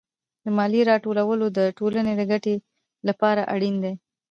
د مالیې راټولول د ټولنې د ګټې لپاره اړین دي.